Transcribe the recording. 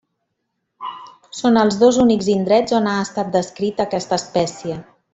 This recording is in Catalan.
Són els dos únics indrets on ha estat descrita aquesta espècie.